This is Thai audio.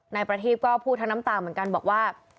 ในประธิบก็ผู้ทางน้ำตาเหมือนกันบอกว่า